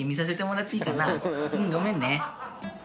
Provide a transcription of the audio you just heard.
ごめんね。